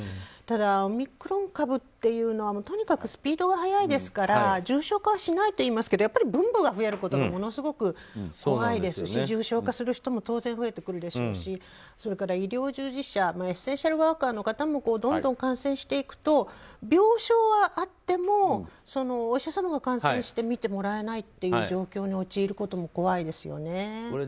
ただ、オミクロン株っていうのはとにかくスピードが速いですから重症化はしないといいますけどやっぱり分母が増えることがものすごく怖いですし重症化する人も当然増えてくるでしょうしそれから医療従事者エッセンシャルワーカーの方もどんどん感染していくと病床はあってもお医者様が感染して診てもらえないという状況に陥ることも怖いですよね。